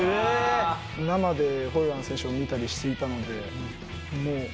生でフォルラン選手を見たりしていたので。